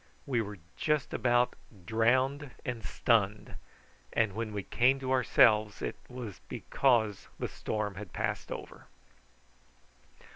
We were just about drowned and stunned, and when we came to ourselves it was because the storm had passed over.